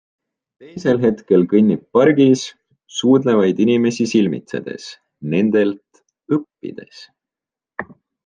Teisel hetkel kõnnib pargis, suudlevaid inimesi silmitsedes, nendelt õppides.